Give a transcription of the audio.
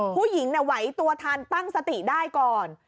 ผู้หญิงไหวตัวทันตั้งสติได้ก่อน